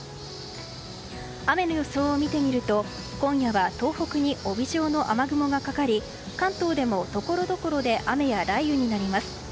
雨の予想を見てみると今夜は東北に帯状の雨雲がかかり関東でもところどころで雨や雷雨になります。